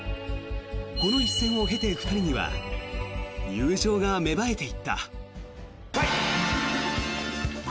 この一戦を経て２人には友情が芽生えていった。